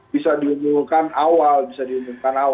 bisa diumumkan awal